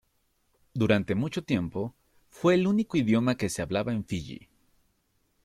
Durante mucho tiempo, fue el único idioma que se hablaba en Fiji.